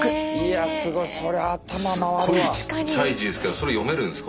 すごいちっちゃい字ですけどそれ読めるんですか？